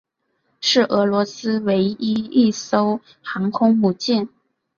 是俄罗斯唯一一艘航空母舰。